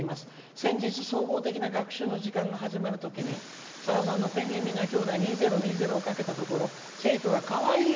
先日、総合的な学習の時間が始まるときに、さださんの「ペンギン皆きょうだい２０２０」をかけたところ生徒がかわいい！